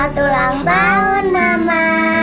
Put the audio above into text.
selamat ulang tahun nama